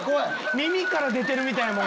耳から出てるみたいやもん